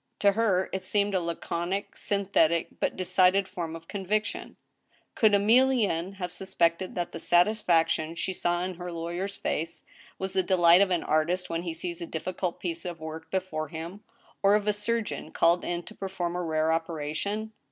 To her it seemed a laconic, synthetic, but decided form of conviction. Could Emilienne have suspected that the satisfaction she saw in her lawyer's face was the delight of an artist when he sees a difficult piece of work before him, or of a surgeon called in to perform a rare operation